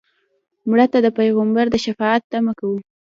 مړه ته د پیغمبر د شفاعت تمه کوو